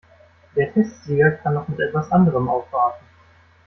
Der Testsieger kann noch mit etwas anderem aufwarten.